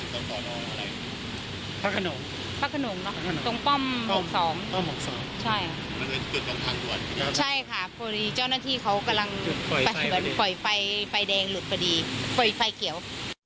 เจ้านัทที่เค้ากำลังปล่อยไฟแดงปล่อยไฟเขียว